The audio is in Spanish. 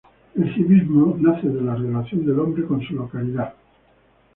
El civismo nace de la relación del hombre con su localidad, nación y estado.